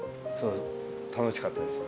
楽しかったです。